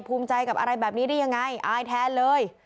ภูมิใจกับอะไรแบบนี้ได้ยังไงอายแทนเลย